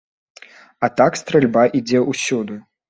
А так стральба ідзе ўсюды.